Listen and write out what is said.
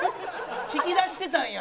引き出してたんや。